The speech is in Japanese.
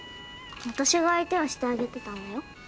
私が相手をしてあげてたんだよ。